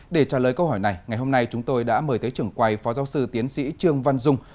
để trả lời câu hỏi này ngày hôm nay chúng tôi đã mời tới trưởng quay phó giáo sư tiến sĩ trương văn dung